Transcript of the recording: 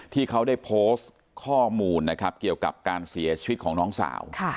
ที่เขาได้โพสต์ข้อมูลนะครับเกี่ยวกับการเสียชีวิตของน้องสาว